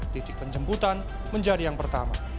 titik penjemputan menjadi yang pertama